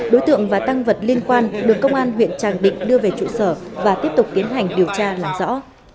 đối tượng và tăng vật liên quan được công an huyện tràng định đưa về trụ sở và tiếp tục tiến hành điều tra làm rõ